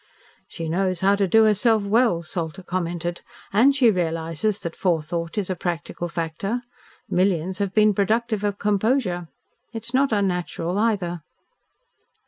"She knows how to do herself well," Salter commented, "and she realises that forethought is a practical factor. Millions have been productive of composure. It is not unnatural, either."